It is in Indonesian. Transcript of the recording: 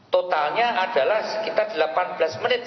totalnya adalah sekitar delapan belas menit